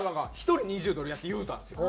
１人２０ドルや」って言うたんですよ